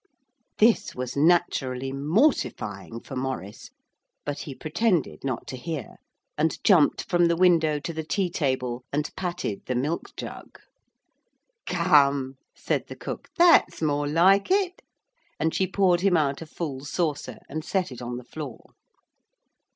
This was naturally mortifying for Maurice, but he pretended not to hear, and jumped from the window to the tea table and patted the milk jug. 'Come,' said the cook, 'that's more like it,' and she poured him out a full saucer and set it on the floor.